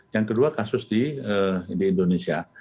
yang kedua kasus di indonesia